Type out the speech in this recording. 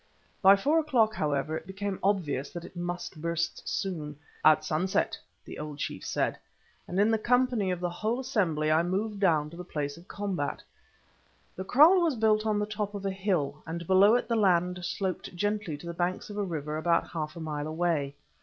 By four o'clock, however, it became obvious that it must burst soon—at sunset, the old chief said, and in the company of the whole assembly I moved down to the place of combat. The kraal was built on the top of a hill, and below it the land sloped gently to the banks of a river about half a mile away.